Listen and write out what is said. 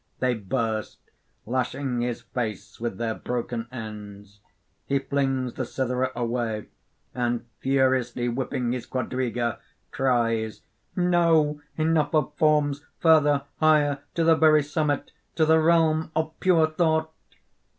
They burst, lashing his face with their broken ends. He flings the cithara away; and furiously whipping his quadriga, cries_): "No! enough of forms! Further, higher! to the very summit! to the realm of pure thought!"